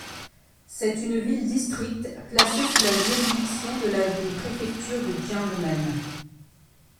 C'est une ville-district placée sous la juridiction de la ville-préfecture de Jiangmen.